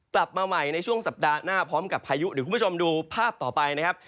กลับมาใหม่ในช่วงสัปดาห์หน้าพร้อมกับพายุเดี๋ยวคุณผู้ชมดูภาพต่อไปนะครับ